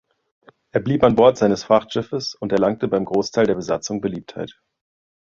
Er blieb an Bord seines Frachtschiffes und erlangte beim Großteil der Besatzung Beliebtheit.